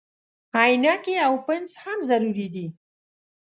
عینکې او پنس هم ضروري دي.